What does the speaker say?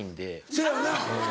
そやよな。